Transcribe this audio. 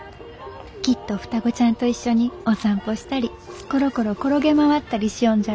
きっと双子ちゃんと一緒にお散歩したりころころ転げ回ったりしよんじゃろうなあ。